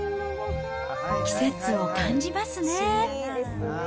季節を感じますね。